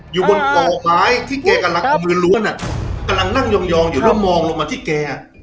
อยู่บนก่อไม้ที่แกกำลังเอามือล้วนกำลังนั่งยองอยู่แล้วมองลงมาที่แก